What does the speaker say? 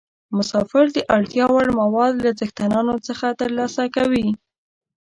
مسافر د اړتیا وړ مواد له څښتنانو څخه ترلاسه کوي.